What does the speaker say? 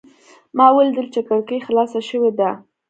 ما ولیدل چې کړکۍ خلاصه شوې ده.